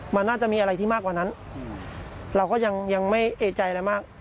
มันน่าจะมีอะไรที่มากกว่านั้นเราก็ยังไม่เอกใจอะไรมาก